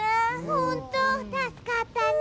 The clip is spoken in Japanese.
ほんとたすかったね。